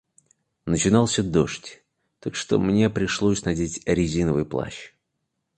Начинался дождь, так что мне пришлось надеть резиновый плащ.